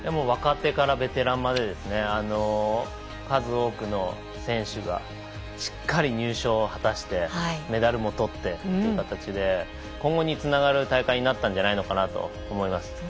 若手からベテランまで数多くの選手がしっかり入賞を果たしてメダルも取ってという形で今後につながる大会になったんじゃないのかなと思います。